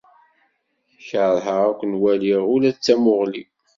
Keṛheɣ ad ken-waliɣ ula d tamuɣli.